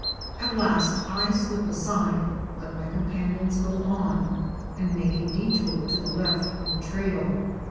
At last I slip aside, let my companions go on, and make a detour to the left of the trail.